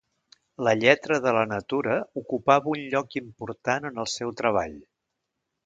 La lletra de la natura ocupava un lloc important en el seu treball.